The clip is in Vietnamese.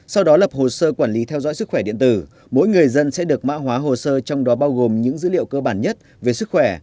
sau đó lập hồ sơ quản lý theo dõi sức khỏe điện tử mỗi người dân sẽ được mã hóa hồ sơ trong đó bao gồm những dữ liệu cơ bản nhất về sức khỏe